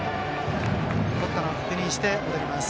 とったのを確認して戻ります。